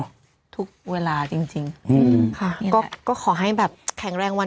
เนอะทุกเวลาจริงจริงอืมค่ะนี่แหละก็ขอให้แบบแข็งแรงวัน